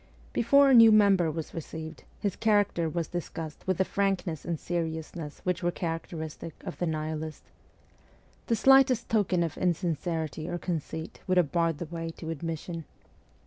Before a new mem ber was received, his character was discussed with the frankness and seriousness which were characteristic of the Nihilist. The slightest token of insincerity or conceit would have barred the way to admission.